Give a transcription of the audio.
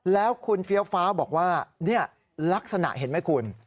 แล้วคุณเฟี้ยวฟ้าบอกว่าลักษณะเห็นไหมคุณ